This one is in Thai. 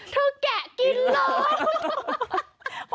เธอกะกินเลย